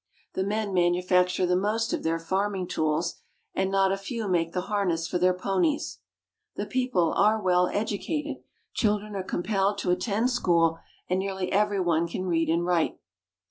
The men manufacture the most of their farming tools, and not a few make the harness for their ponies. The people are well educated. Children are compelled to attend school, and nearly every one can read and write.